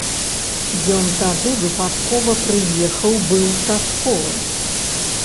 Ён тады выпадкова прыехаў быў са школы.